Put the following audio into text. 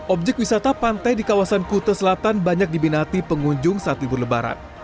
objek wisata pantai di kawasan kute selatan banyak dibinati pengunjung saat libur lebaran